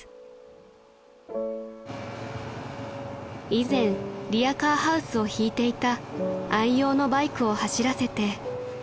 ［以前リアカーハウスを引いていた愛用のバイクを走らせて］